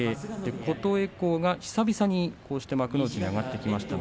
琴恵光、久々に幕内に上がってきました。